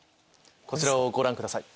こちらをご覧ください。